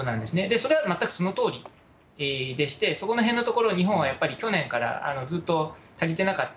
それは全くそのとおりでして、そこらへんのところを、日本はやっぱり去年から、ずっと足りてなかった。